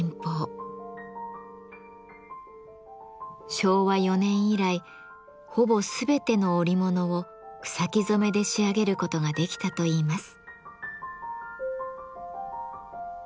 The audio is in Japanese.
昭和４年以来ほぼ全ての織物を草木染めで仕上げることができたといいます。